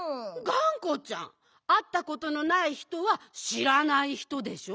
がんこちゃんあったことのないひとはしらないひとでしょ。